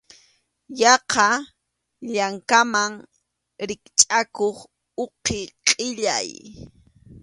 Yaqa llankaman rikchʼakuq uqi qʼillay.